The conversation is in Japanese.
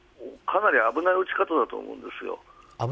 かなり危ない撃ち方だと思うんです。